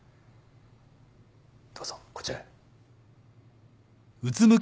どうぞこちらへ。